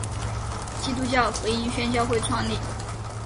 基督教福音宣教会创立。